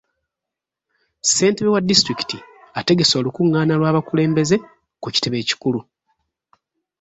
Ssentebe wa disitulikiti ategese olukungaana lw'abakulembeze ku kitebe ekikulu.